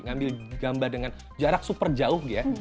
ngambil gambar dengan jarak super jauh ya